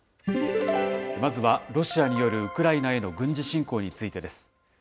まずはロシアによるウクライナへの軍事侵攻についてです。